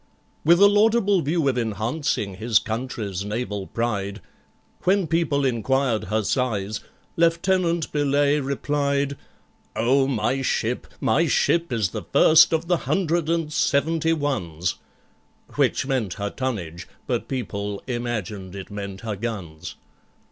With a laudable view of enhancing his country's naval pride, When people inquired her size, LIEUTENANT BELAYE replied, "Oh, my ship, my ship is the first of the Hundred and Seventy ones!" Which meant her tonnage, but people imagined it meant her guns.